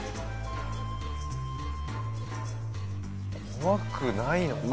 怖くないのか。